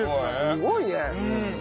すごいね！